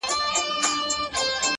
لكه د دوو جنـــــــگ!